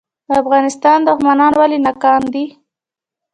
د افغانستان دښمنان ولې ناکام دي؟